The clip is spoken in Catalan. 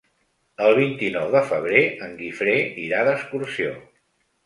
El vint-i-nou de febrer en Guifré irà d'excursió.